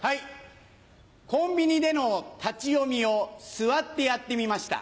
コンビニでの立ち読みを座ってやってみました。